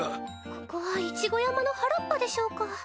ここは一五山の原っぱでしょうか？